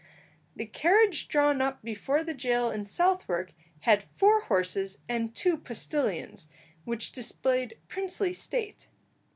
The carriage drawn up before the jail in Southwark had four horses and two postillions, which displayed princely state.